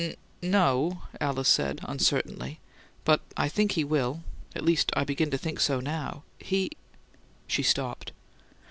"N no," Alice said, uncertainly. "But I think he will. At least I begin to think so now. He " She stopped.